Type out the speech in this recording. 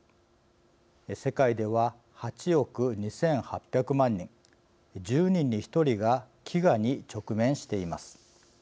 世界では８億２８００万人１０人に１人が飢餓に直面しています。